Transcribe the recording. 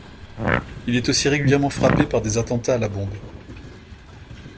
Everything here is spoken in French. Il est aussi régulièrement frappé par des attentats à la bombe.